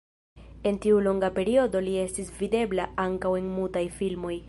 En tiu longa periodo li estis videbla ankaŭ en mutaj filmoj.